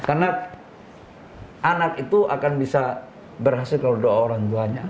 karena anak itu akan bisa berhasil kalau doa orang tuanya